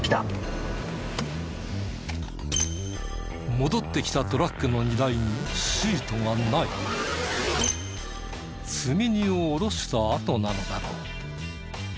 戻ってきたトラックの荷台に積み荷を降ろしたあとなのだろう。